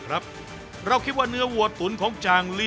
ซุปไก่เมื่อผ่านการต้มก็จะเข้มขึ้น